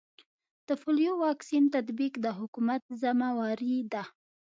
د پولیو واکسین تطبیق د حکومت ذمه واري ده